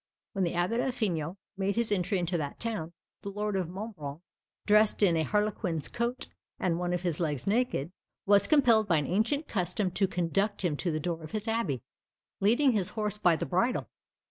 When the abbot of Figeac made his entry into that town, the lord of Montbron, dressed in a harlequin's coat, and one of his legs naked, was compelled by an ancient custom to conduct him to the door of his abbey, leading his horse by the bridle.